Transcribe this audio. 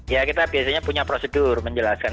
ya kita biasanya punya prosedur menjelaskan